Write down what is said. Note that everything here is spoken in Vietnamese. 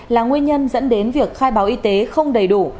là nguyên nhân dẫn đến việc khai báo y tế không đầy đủ